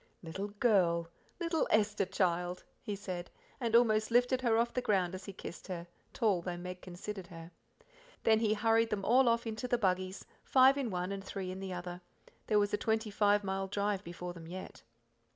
"Little girl little Esther child!" he said, and almost lifted her off the ground as he kissed her, tall though Meg considered her. Then he hurried them all off into the buggies, five in one and three in the other. There was a twenty five mile drive before them yet.